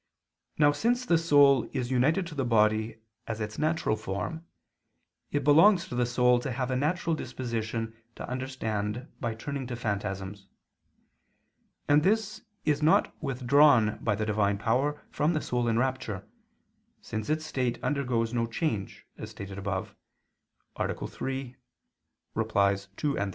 Now, since the soul is united to the body as its natural form, it belongs to the soul to have a natural disposition to understand by turning to phantasms; and this is not withdrawn by the divine power from the soul in rapture, since its state undergoes no change, as stated above (A. 3, ad 2, 3).